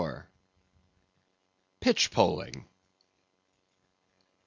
Pitchpoling.